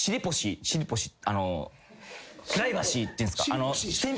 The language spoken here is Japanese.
あのプライバシーっていうんですか？